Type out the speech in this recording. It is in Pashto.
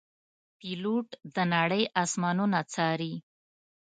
پیلوټ د نړۍ آسمانونه څاري.